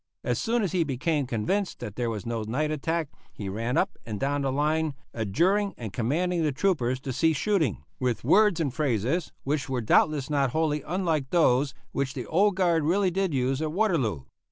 As soon as he became convinced that there was no night attack, he ran up and down the line adjuring and commanding the troopers to cease shooting, with words and phrases which were doubtless not wholly unlike those which the Old Guard really did use at Waterloo.